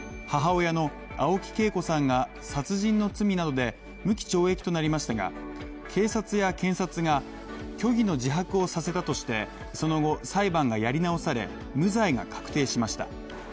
母親の青木惠子さんが殺人の罪などで無期懲役となりましたが警察や検察が、虚偽の自白をさせたとしてその後、裁判がやり直され、無罪が確定しました。